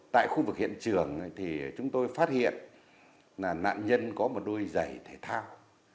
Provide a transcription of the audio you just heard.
tại khu vực hiện trường thì chúng tôi phát hiện là nạn nhân có một đôi giày thể thao